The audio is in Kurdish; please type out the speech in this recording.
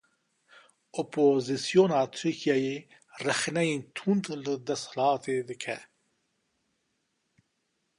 Opozîsyona Tirkiyeyê rexneyên tund li desthilatê dike.